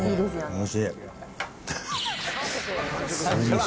おいしい。